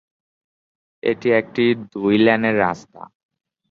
এটি একটি দুই-লেনের রাস্তা।